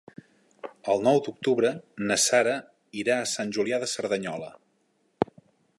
El nou d'octubre na Sara irà a Sant Julià de Cerdanyola.